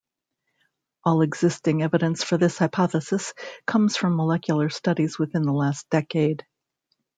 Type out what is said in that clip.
All existing evidence for this hypothesis comes from molecular studies within the last decade.